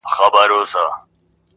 په دنیا کي چي د چا نوم د سلطان دی؛